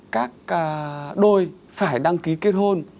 các đôi phải đăng ký kết hôn